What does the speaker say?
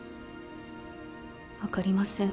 分かりません。